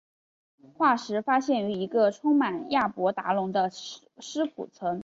化石发现于一个充满亚伯达龙的尸骨层。